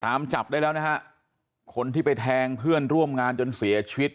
ตามจับได้แล้วนะฮะคนที่ไปแทงเพื่อนร่วมงานจนเสียชีวิต